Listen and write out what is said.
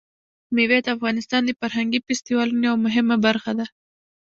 مېوې د افغانستان د فرهنګي فستیوالونو یوه مهمه برخه ده.